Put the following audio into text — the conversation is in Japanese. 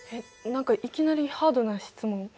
何かいきなりハードな質問。